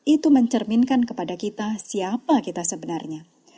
itu mencerminkan kepada kita siapa kita sebenarnya